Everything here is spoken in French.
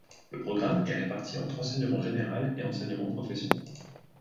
Le programme est réparti entre enseignement général et enseignement professionnel.